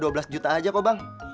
dua belas juta aja kok bang